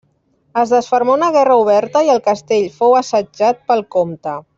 Es desfermà una guerra oberta i el castell fou assetjat pel comte.